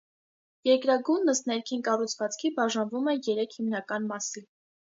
Երկրագունդն, ըստ ներքին կառուցվածքի, բաժանվում է երեք հիմնական մասի։